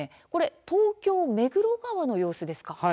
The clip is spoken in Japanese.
東京目黒川の様子ですか。